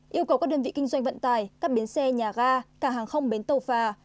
yêu cầu các đơn vị kinh doanh vận tải các bến xe nhà ga cảng hàng không bến tàu phà